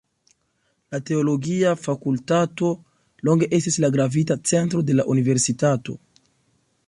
La teologia fakultato longe estis la gravita centro de la universitato.